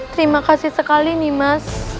terima kasih sekali nimas